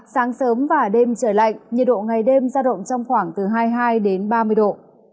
sáng sớm và đêm trời lạnh nhiệt độ ngày đêm ra động trong khoảng từ hai mươi hai đến ba mươi độ